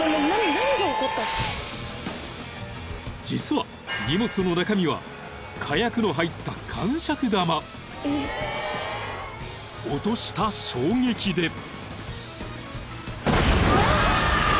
［実は荷物の中身は火薬の入ったかんしゃく玉］［落とした衝撃で］